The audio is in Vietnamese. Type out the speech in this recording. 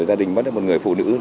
rồi gia đình mất một người phụ nữ